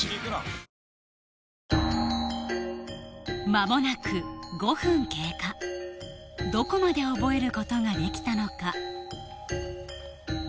間もなく５分経過どこまで覚えることができたのか？